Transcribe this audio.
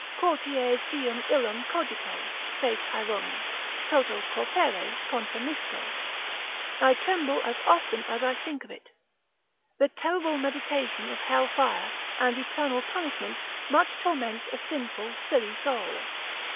Quoties diem illum cogito (saith Hierome) toto corpore contremisco, I tremble as often as I think of it. The terrible meditation of hell fire and eternal punishment much torments a sinful silly soul.